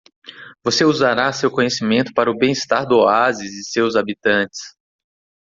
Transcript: Você usará seu conhecimento para o bem-estar do oásis e seus habitantes.